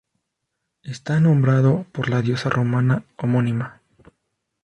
Está nombrado por la diosa romana homónima.